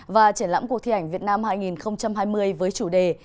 và triển lãm cuộc thi ảnh việt nam hai nghìn hai mươi với chủ đề